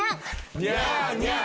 ニャーニャー。